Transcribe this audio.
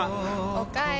おかえり。